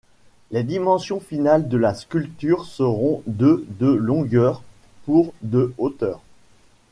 Les dimensions finales de la sculpture seront de de longueur pour de hauteur.